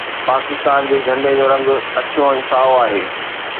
پاڪستان جي جهنڊي جو رنگ اڇو ۽ سائو آهي.